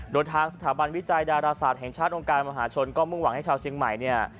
โดยทางสถาบันวิจัยดาลาศาสตร์แห่งชาติองการมหาชนก็มึงวังให้เชียงใหม่